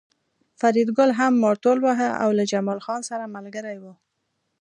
فریدګل هم مارتول واهه او له جمال خان سره ملګری و